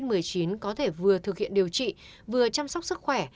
điều kiện cho người bệnh covid một mươi chín có thể vừa thực hiện điều trị vừa chăm sóc sức khỏe